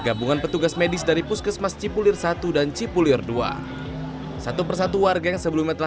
gabungan petugas medis dari puskesmas cipulir satu dan cipulir dua satu persatu warga yang sebelumnya telah